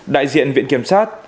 đại diện viện kiểm sát